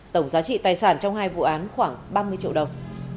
tổng giá trị tài sản trong hai vụ án khoảng ba mươi triệu đồng